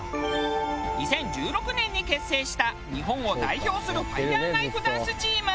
２０１６年に結成した日本を代表するファイヤーナイフダンスチーム。